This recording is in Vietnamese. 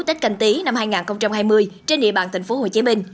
tết canh tí năm hai nghìn hai mươi trên địa bàn tp hcm